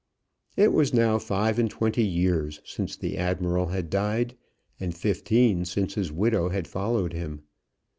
It was now five and twenty years since the Admiral had died, and fifteen since his widow had followed him.